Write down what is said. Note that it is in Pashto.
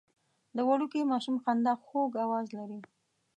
د وړوکي ماشوم خندا خوږ اواز لري.